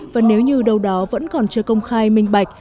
và nếu như đâu đó vẫn còn chưa công khai minh bạch